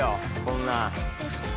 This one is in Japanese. こんな。